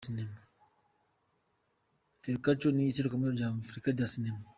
Fespaco ni iserukiramuco nyafurika rya sinema.